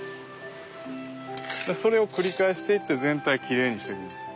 それを繰り返していって全体きれいにしていくんです。